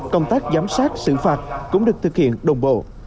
công tác giám sát xử phạt cũng được thực hiện đồng bộ